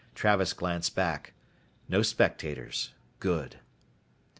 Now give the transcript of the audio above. Travis glanced back. No spectators. Good.